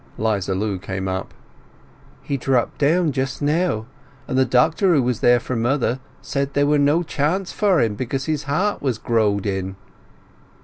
'Liza Lu came up. "He dropped down just now, and the doctor who was there for mother said there was no chance for him, because his heart was growed in."